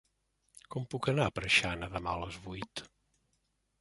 Com puc anar a Preixana demà a les vuit?